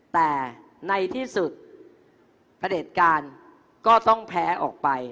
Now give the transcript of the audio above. แต่ในที่สุดประเด็จการก็ต้องแพ้ออกไป